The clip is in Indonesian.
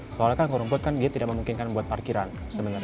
soalnya kan aboutr kan dia tidak memungkinkan buat parkiran sebenarnya gitu